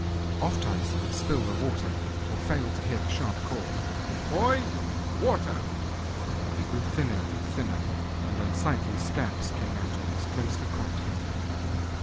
Ofttimes he would spill the water, or fail to hear the sharp call, "Boy, water!" He grew thinner and thinner, and unsightly scabs came out on his closely cropped head.